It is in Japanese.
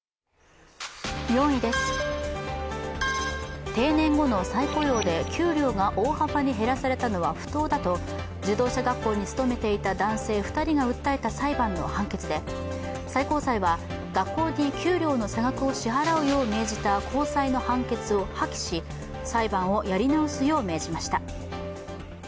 ４位です、定年後の再雇用で給料が大幅に減らされたのは不当だと自動車学校に勤めていた男性２人が訴えた裁判の判決で、最高裁は学校に給料の差額を支払うよう命じた高裁の判決を破棄し裁判をやり直すよう命じました。